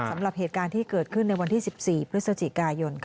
สำหรับเหตุการณ์ที่เกิดขึ้นในวันที่๑๔พฤศจิกายน